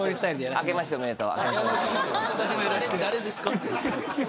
誰ですか？